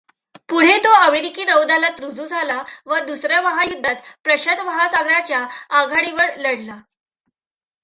पुढे तो अमेरिकी नौदलात रुजू झाला व दुसर् या महायुद्धात प्रशांत महासागराच्या आघाडीवर लढला.